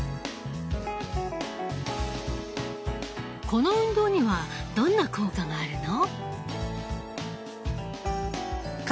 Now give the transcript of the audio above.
この運動にはどんな効果があるの？